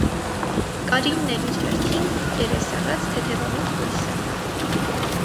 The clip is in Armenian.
Կարինն էլ իր հերթին, երես առած, թեթևամիտ կույս է։